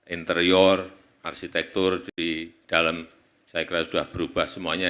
interior arsitektur dari dalam saya kira sudah berubah semuanya